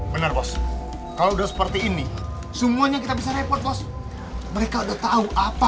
benar bos kalau udah seperti ini semuanya kita bisa repot bos mereka udah tahu apa